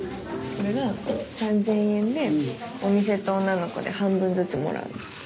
これが３，０００円でお店と女の子で半分ずつもらうの。